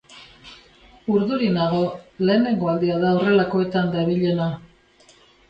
Urduri dago, lehenengo aldia da horrelakoetan dabilena.